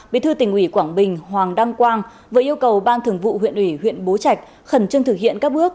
bí thư tỉnh ủy quảng bình hoàng đăng quang vừa yêu cầu ban thường vụ huyện ủy huyện bố trạch khẩn trương thực hiện các bước